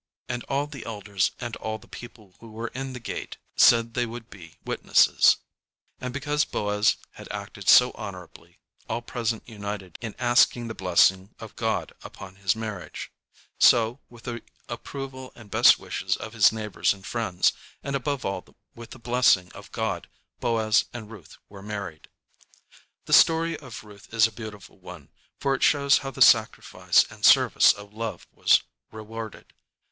And all the elders and all the people who were in the gate said they would be witnesses. [Illustration: VIEW IN PALESTINE NEAR BETHLEHEM.] From a Photograph. And because Boaz had acted so honorably, all present united in asking the blessing of God upon his marriage. So, with the approval and best wishes of his neighbors and friends, and above all with the blessing of God, Boaz and Ruth were married. The story of Ruth is a beautiful one, for it shows how the sacrifice and service of love was rewarded.